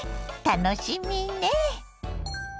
楽しみね！